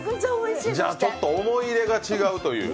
ちょっと思い入れが違うという。